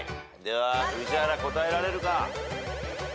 宇治原答えられるか。